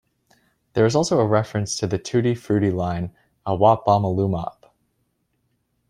There is also a reference to the "Tutti Frutti" line "A wop-bom a loo-mop".